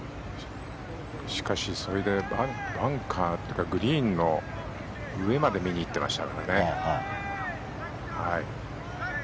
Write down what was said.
しかし、それでバンカーというかグリーンの上まで見に行ってましたね。